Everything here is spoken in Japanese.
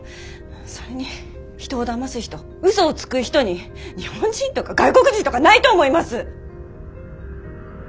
それに人をだます人うそをつく人に日本人とか外国人とかないと思います！